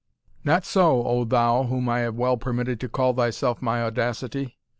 "Not so, O thou, whom I have well permitted to call thyself my Audacity.